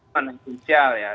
bukan esensial ya